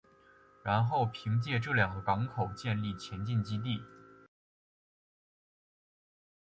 然后凭借这两个港口建立前进基地。